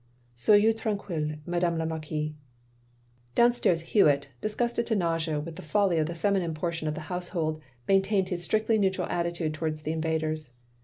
" Soyez tranquille, Madame la Marquise. " Downstairs Hewitt, disgusted to nausea with the folly of the feminine portion of the household, maintained his strictly neutral attitudef towards the invaders.